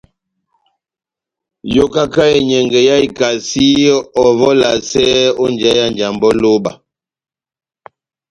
Yokaka enyɛngɛ yá ikasi, ó ovɛ olasɛ ó njeyá ya Njambɛ ó lóba.